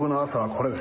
これ。